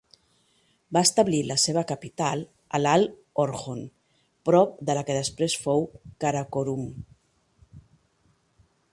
Va establir la seva capital a l'alt Orkhon prop de la que després fou Karakorum.